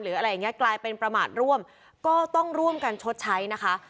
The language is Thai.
อะไรอย่างเงี้กลายเป็นประมาทร่วมก็ต้องร่วมกันชดใช้นะคะ